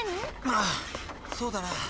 ああそうだな。